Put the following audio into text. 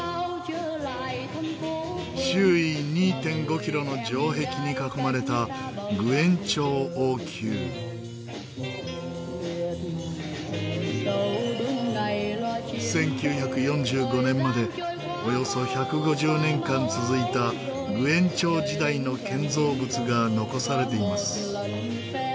周囲２．５キロの城壁に囲まれた１９４５年までおよそ１５０年間続いたグエン朝時代の建造物が残されています。